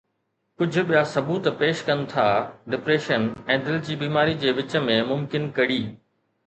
ڪجهه ٻيا ثبوت پيش ڪن ٿا ڊپريشن ۽ دل جي بيماري جي وچ ۾ ممڪن ڪڙي